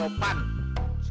soal copet banget ya